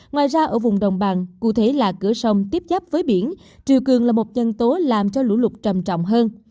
ngoài ra ở vùng đồng bằng cụ thể là cửa sông tiếp giáp với biển triều cường là một dân tố làm cho lũ lụt trầm trọng hơn